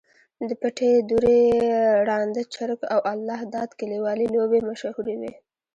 د پټې دُرې، ړانده چرک، او الله داد کلیوالې لوبې مشهورې وې.